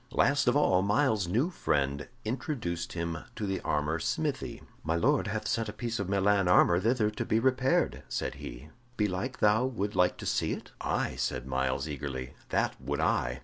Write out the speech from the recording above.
Last of all Myles's new friend introduced him to the armor smithy. "My Lord hath sent a piece of Milan armor thither to be repaired," said he. "Belike thou would like to see it." "Aye," said Myles, eagerly, "that would I."